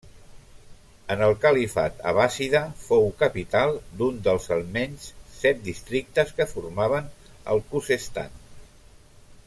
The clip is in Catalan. En el califat abbàssida fou capital d'un dels almenys set districtes que formaven el Khuzestan.